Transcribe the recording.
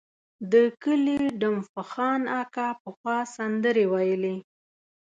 د کلي ډم فخان اکا پخوا سندرې ویلې.